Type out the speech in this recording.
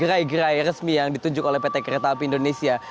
gerai gerai resmi yang ditunjuk oleh pt kereta api indonesia